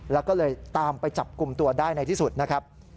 แล้วก็เลยตามไปจับกลุ่มตัวได้ในที่สุดนะครับ